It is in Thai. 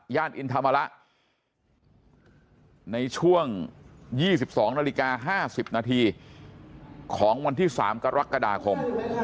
อินธรรมระในช่วง๒๒นาฬิกา๕๐นาทีของวันที่๓กรกฎาคม